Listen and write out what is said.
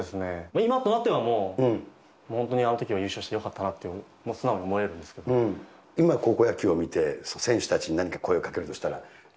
今となっては本当にあのときは優勝してよかったなと、素直に思え今、高校野球を見て、選手たちに何か声をかけるとしたら？